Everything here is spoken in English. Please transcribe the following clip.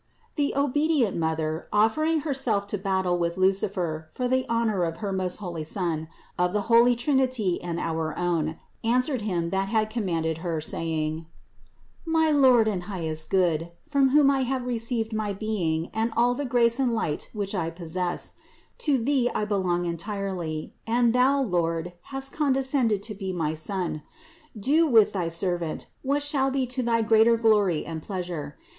The obedient Mother, offering Herself to battle with Lucifer for the honor of her most holy Son, of the holy Trinity and our own, answered Him that had com manded Her, saying : "My Lord and highest Good, from whom I have received my being and all the grace and THE INCARNATION 271 light which I possess: to Thee I belong entirely, and Thou, Lord, hast condescended to be my Son. Do with thy servant, what shall be to thy greater glory and pleas ure.